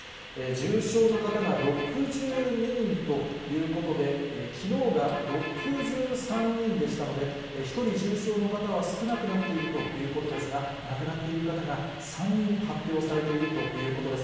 重症の方が６２人ということで、きのうが６３人でしたので、１人重症の方は少なくなっているということですが、亡くなっている方が３人発表されているということです。